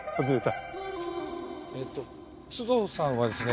えっと須藤さんはですね